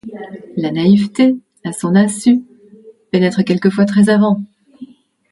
La naïveté, à son insu, pénètre quelquefois très avant.